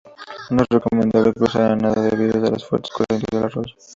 No es recomendable cruzar a nado debido a las fuertes corrientes del arroyo.